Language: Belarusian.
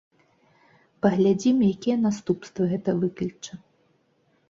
Паглядзім, якія наступствы гэта выкліча.